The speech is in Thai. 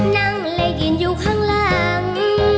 นั่งและยืนอยู่ข้างหลัง